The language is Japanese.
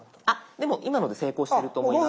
でも今ので成功していると思います。